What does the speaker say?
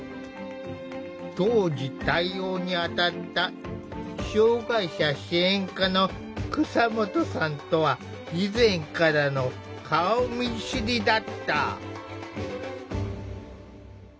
当時対応に当たった障害者支援課の蒼下さんとは以前からの顔見知りだった。